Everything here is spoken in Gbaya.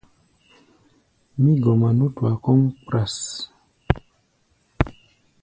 Mí gɔma nútua kɔ́ʼm kpras.